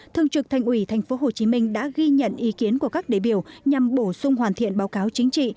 thương trực thành ủy tp hcm đã ghi nhận ý kiến của các đề biểu nhằm bổ sung hoàn thiện báo cáo chính trị